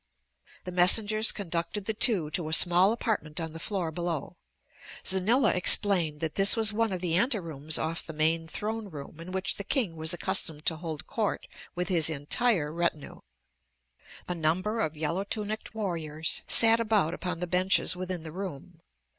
The messengers conducted the two to a small apartment on the floor below. Xanila explained that this was one of the anterooms off the main throneroom in which the king was accustomed to hold court with his entire retinue. A number of yellow tunicked warriors sat about upon the benches within the room.